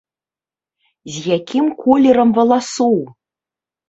З якім колерам валасоў?